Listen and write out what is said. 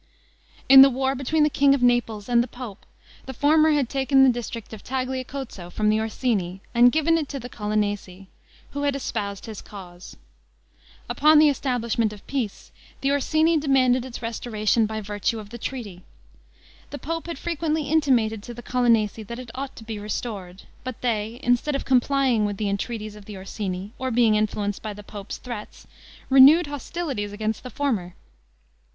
In the war between the king of Naples and the pope, the former had taken the district of Tagliacozzo from the Orsini, and given it to the Colonnesi, who had espoused his cause. Upon the establishment of peace, the Orsini demanded its restoration by virtue of the treaty. The pope had frequently intimated to the Colonnesi that it ought to be restored; but they, instead of complying with the entreaties of the Orsini, or being influenced by the pope's threats, renewed hostilities against the former.